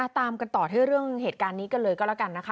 ตามกันต่อที่เรื่องเหตุการณ์นี้กันเลยก็แล้วกันนะคะ